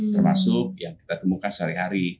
termasuk yang kita temukan sehari hari